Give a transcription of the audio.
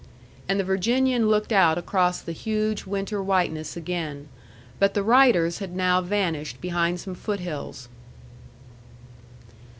And the Virginian looked out across the huge winter whiteness again. But the riders had now vanished behind some foot hills.